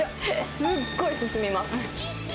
すっごい進みます。